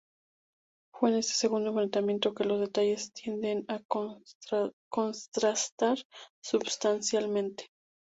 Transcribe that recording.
Fue en este segundo enfrentamiento que los detalles tienden a contrastar substancialmente.